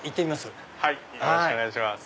よろしくお願いします。